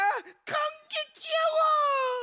かんげきやわ！